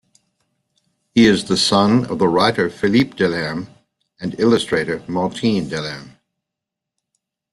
He is the son of the writer Philippe Delerm and illustrator Martine Delerm.